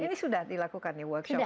ini sudah dilakukan nih workshopnya